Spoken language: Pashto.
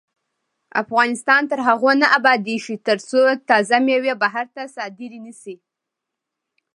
افغانستان تر هغو نه ابادیږي، ترڅو تازه میوې بهر ته صادرې نشي.